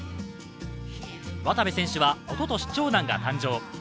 渡部選手はおととし、長男が誕生。